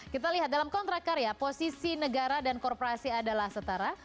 kita lihat dalam kontrak karya posisi negara dan korporasi adalah setara